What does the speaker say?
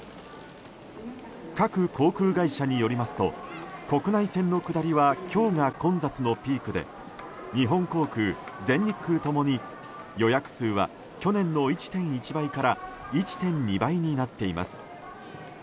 各航空会社によりますと国内線の下りは今日が混雑のピークで日本航空、全日空共に予約数は去年の１．１倍から１．２倍になっています。